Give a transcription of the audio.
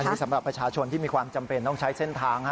อันนี้สำหรับประชาชนที่มีความจำเป็นต้องใช้เส้นทาง